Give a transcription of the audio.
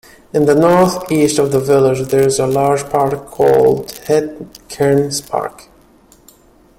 In the northeast of the village, there is a large park called "Het Kernspark".